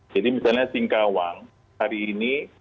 jadi misalnya singkawang hari ini